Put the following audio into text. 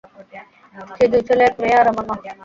স্ত্রী, দুই ছেলে, এক মেয়ে আর আমার মা।